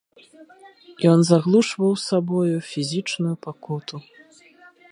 Ён заглушваў сабою фізічную пакуту.